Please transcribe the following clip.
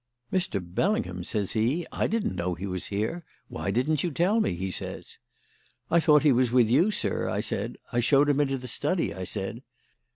"'Mr. Bellingham!' says he. 'I didn't know he was here. Why didn't you tell me?' he says. 'I thought he was with you, sir,' I said. 'I showed him into the study,' I said.